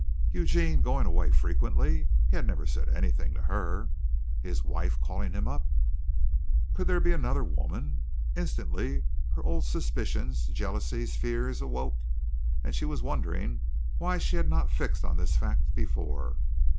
Eugene going away frequently? He had never said anything to her! His wife calling him up! Could there be another woman! Instantly all her old suspicions, jealousies, fears, awoke, and she was wondering why she had not fixed on this fact before.